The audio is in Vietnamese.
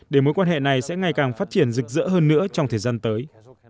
để mối quan hệ này sẽ ngày càng phát triển rực rỡ hơn nữa trong thời gian tới